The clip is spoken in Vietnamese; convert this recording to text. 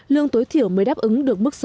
lương tối thiểu mới đáp ứng được mức sản phẩm